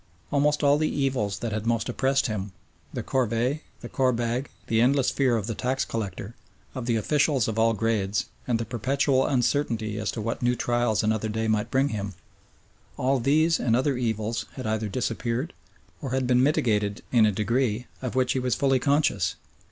Almost all the evils that had most oppressed him, the corvée, the korbag, the endless fear of the tax collector, of the officials of all grades, and the perpetual uncertainty as to what new trials another day might bring him all these and other evils had either disappeared or had been mitigated in a degree, of which he was fully conscious.